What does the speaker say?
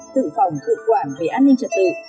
tự phòng tự quản về an ninh trật tự